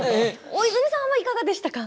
大泉さんはいかがでしたか？